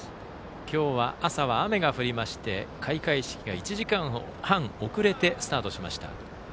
今日は朝は雨が降りまして開会式が１時間半遅れてスタートしました。